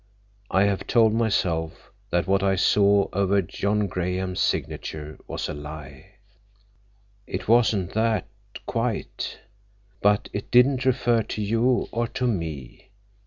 I have told myself that what I saw over John Graham's signature was a lie." "It wasn't that—quite. But it didn't refer to you, or to me.